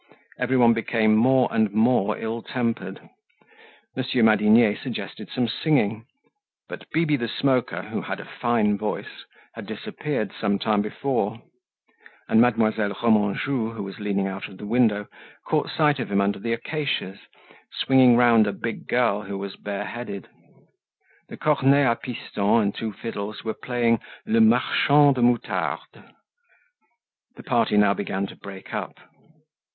Everyone became more and more ill tempered. Monsieur Madinier suggested some singing, but Bibi the Smoker, who had a fine voice, had disappeared some time before; and Mademoiselle Remanjou, who was leaning out of the window, caught sight of him under the acacias, swinging round a big girl who was bare headed. The cornet a piston and two fiddles were playing "Le Marchand de Moutarde." The party now began to break up.